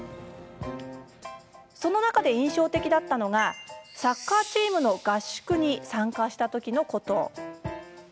その中で、印象的だったのがサッカーチームの合宿に参加したときのこと。